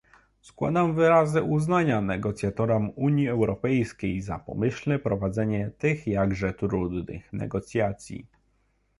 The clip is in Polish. Składam wyrazy uznania negocjatorom Unii Europejskiej za pomyślne prowadzenie tych jakże trudnych negocjacji